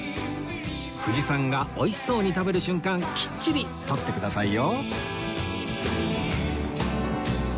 藤さんが美味しそうに食べる瞬間きっちり撮ってくださいよ